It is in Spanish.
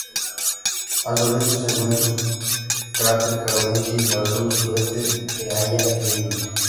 Al suroeste se encuentra el cráter Cavendish, y al sur-sureste se halla Liebig.